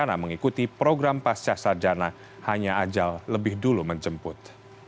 karena mengikuti program pasca sarjana hanya ajal lebih dulu menjemput